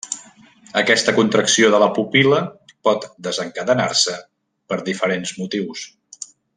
Aquesta contracció de la pupil·la pot desencadenar-se per diferents motius.